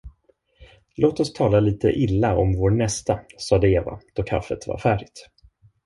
Låt oss tala litet illa om vår nästa, sade Eva, då kaffet var färdigt.